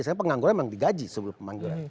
karena pengangguran memang digaji sebelum pemangguran